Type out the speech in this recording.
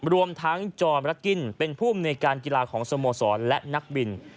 รวมทั้งจรรกินเป็นผู้อำนวยการกีฬาของสโมสรและนักบิน